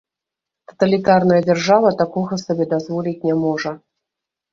Таталітарная дзяржава такога сабе дазволіць не можа.